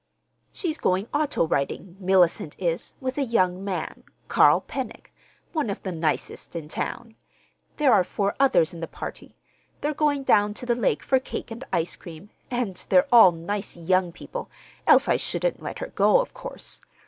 "She's going auto riding—Mellicent is—with a young man, Carl Pennock—one of the nicest in town. There are four others in the party. They're going down to the Lake for cake and ice cream, and they're all nice young people, else I shouldn't let her go, of course.